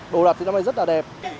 đồ đặt thì năm nay rất là đẹp